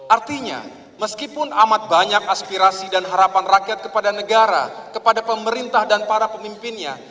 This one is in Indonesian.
artinya meskipun amat banyak aspirasi dan harapan rakyat kepada negara kepada pemerintah dan para pemimpinnya